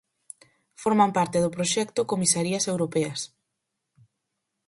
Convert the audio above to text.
Forman parte do proxecto Comisarías Europeas.